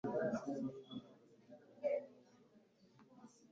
amibukiro yo kwishima atwibutsa ukwigira umuntu kwa jambo